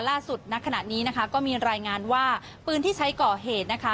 ณขณะนี้นะคะก็มีรายงานว่าปืนที่ใช้ก่อเหตุนะคะ